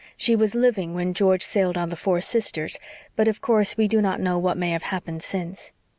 She was living when George sailed on the Four Sisters, but of course we do not know what may have happened since.